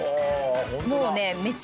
もうね。